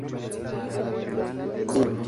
Es un pez marino y de aguas profundas.